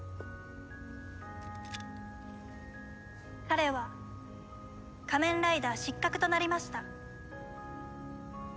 彼は仮面ライダー失格となりました。